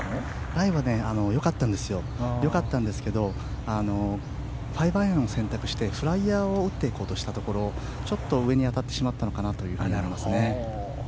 ライ、よかったんですけど５アイアンを選択してフライヤーを打っていこうとしたところちょっと上に当たってしまったと思います。